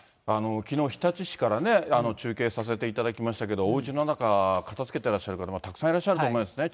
きのう、日立市から中継させていただきましたけど、おうちの中、片づけてらっしゃる方、たくさんいらっしゃると思いますね。